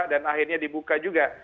dan akhirnya dibuka juga